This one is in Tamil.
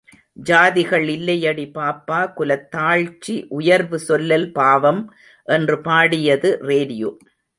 ஜாதிகள் இல்லையடி பாப்பா – குலத் தாழ்ச்சி உயர்வு சொல்லல் பாவம்! என்று பாடியது ரேடியோ.